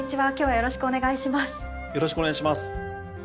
よろしくお願いします。